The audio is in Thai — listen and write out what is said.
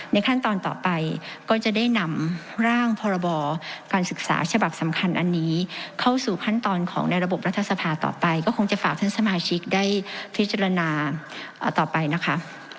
ขั้นตอนต่อไปก็จะได้นำร่างพรบการศึกษาฉบับสำคัญอันนี้เข้าสู่ขั้นตอนของในระบบรัฐสภาต่อไปก็คงจะฝากท่านสมาชิกได้พิจารณาต่อไปนะคะ